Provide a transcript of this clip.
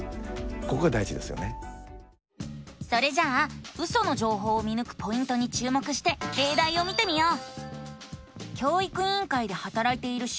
それじゃあウソの情報を見ぬくポイントに注目してれいだいを見てみよう！